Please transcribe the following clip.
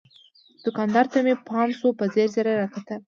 دوکاندار ته مې پام شو، په ځیر ځیر یې را کتل.